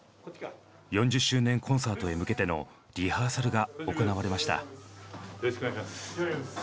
４０周年コンサートへ向けてのリハーサルが行われました。